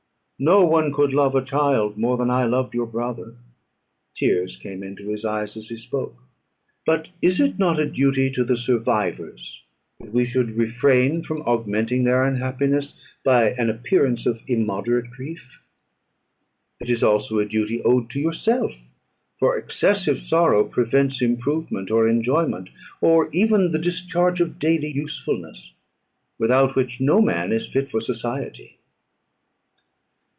No one could love a child more than I loved your brother;" (tears came into his eyes as he spoke;) "but is it not a duty to the survivors, that we should refrain from augmenting their unhappiness by an appearance of immoderate grief? It is also a duty owed to yourself; for excessive sorrow prevents improvement or enjoyment, or even the discharge of daily usefulness, without which no man is fit for society."